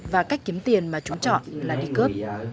và cách kiếm tiền mà chúng chọn là đi cướp